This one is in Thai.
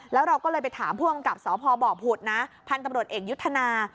แล้วเราก็เลยไปถามผู้กำกับสพบผุดนะพันธุ์ตำรวจเอกยุทธนา